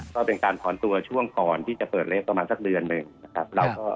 ก็เป็นการถอนตัวช่วงก่อนที่จะเปิดเลฟประมาณสักเดือนหนึ่งนะครับ